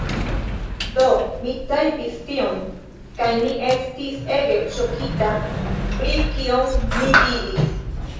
Do, mi tajpis tion... kaj mi estis ege ŝokita pri kion mi vidis